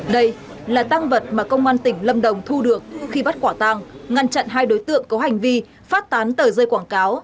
đây là tăng vật mà công an tỉnh lâm đồng thu được khi bắt quả tăng ngăn chặn hai đối tượng có hành vi phát tán tờ rơi quảng cáo